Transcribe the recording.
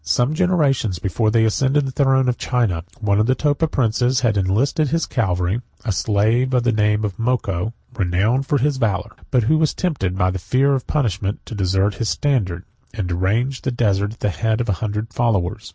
Some generations before they ascended the throne of China, one of the Topa princes had enlisted in his cavalry a slave of the name of Moko, renowned for his valor, but who was tempted, by the fear of punishment, to desert his standard, and to range the desert at the head of a hundred followers.